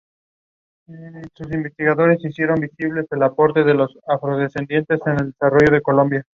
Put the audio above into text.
Yves estaba por partir del pueblo de St.